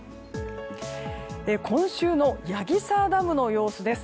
今週の矢木沢ダムの様子です。